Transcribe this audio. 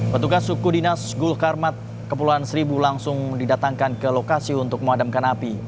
petugas suku dinas gul karmat kepulauan seribu langsung didatangkan ke lokasi untuk memadamkan api